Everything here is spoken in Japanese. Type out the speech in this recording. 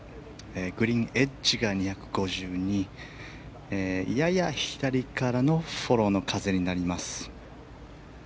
グリーンエッジが２５２やや左からのフォローの風になります。